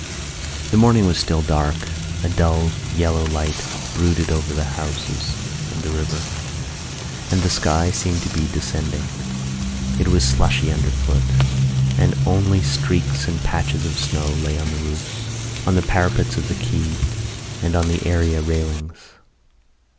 The morning was still dark. A dull yellow light brooded over the houses and the river; and the sky seemed to be descending. It was slushy underfoot; and only streaks and patches of snow lay on the roofs, on the parapets of the quay and on the area railings.